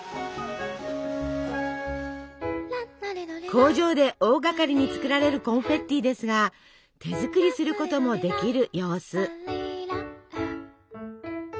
工場で大がかりに作られるコンフェッティですが手作りすることもできる様子。